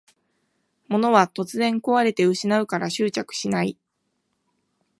物は突然こわれて失うから執着しない